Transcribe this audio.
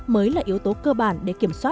bộ sẽ vẫn tiếp tục tiếp thu ý kiến phản hồi